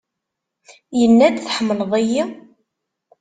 Yenna-d, Tḥemmleḍ-iyi?